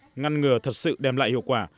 các đấu tranh ngăn ngừa thật sự đem lại hiệu quả